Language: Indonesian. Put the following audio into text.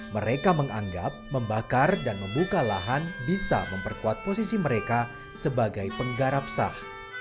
mereka menganggap membakar dan membuka lahan bisa memperkuat posisi mereka sebagai penggarap sah